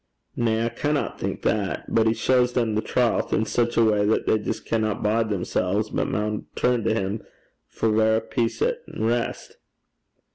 'Na, I canna think that. But he shaws them the trowth in sic a way that they jist canna bide themsel's, but maun turn to him for verra peace an' rist.'